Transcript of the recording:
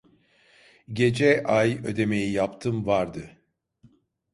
Gece ay ödemeyi yaptım vardı